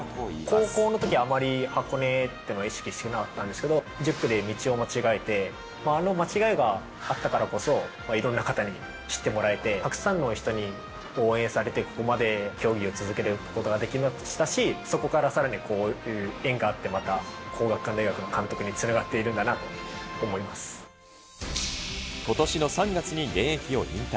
高校のときは、あまり箱根ってのは意識してなかったんですけれども、１０区で道を間違えて、あの間違えがあったからこそ、いろんな方に知ってもらえて、たくさんの人に応援されて、ここまで競技を続けることができましたし、そこからさらにこういう縁があってまた皇學館大学の監督につながことしの３月に現役を引退。